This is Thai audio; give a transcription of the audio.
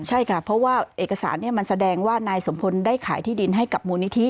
ใช่ค่ะเพราะว่าเอกสารมันแสดงว่านายสมพลได้ขายที่ดินให้กับมูลนิธิ